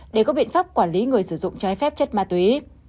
để có biện pháp quản lý người sử dụng trái phép chất ma túy